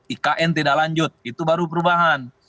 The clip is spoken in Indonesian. ikn tidak lanjut itu baru perubahan